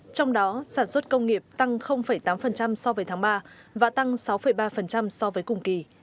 trong đó sản xuất công nghiệp tăng tám so với tháng ba và tăng sáu ba so với cùng kỳ